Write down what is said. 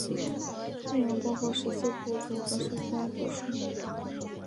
内容包括十四部注和十三部疏。